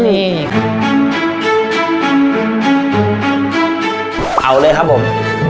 เอาเลยครับผม